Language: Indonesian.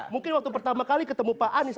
mungkin waktu pertama kali ketemu pak anies